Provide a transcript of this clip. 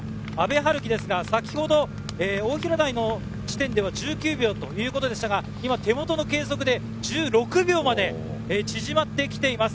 阿部陽樹は先ほど大平台の地点で１９秒でしたが手元の計測で１６秒まで縮まってきています。